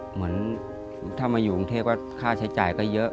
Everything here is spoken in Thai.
เหมือนถ้ามาอยู่กรุงเทพก็ค่าใช้จ่ายก็เยอะ